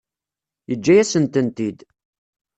Yeǧǧa-yasen-tent-id.